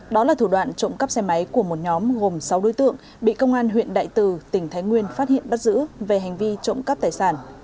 đó là thủ đoạn trộm cắp xe máy của một nhóm gồm sáu đối tượng bị công an huyện đại từ tỉnh thái nguyên phát hiện bắt giữ về hành vi trộm cắp tài sản